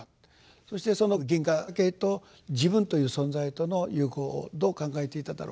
そしてその銀河系と自分という存在との融合をどう考えていただろうか。